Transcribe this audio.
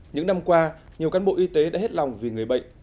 những năm qua nhiều cán bộ y tế đã hết lòng vì người bệnh